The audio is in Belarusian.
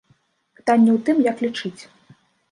Пытанне ў тым, як лічыць.